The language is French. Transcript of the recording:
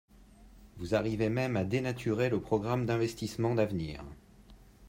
Vous arrivez même à dénaturer le programme d’investissement d’avenir